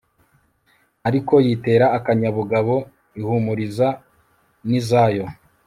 ariko yitera akanyabugabo, ihumuriza n'izayo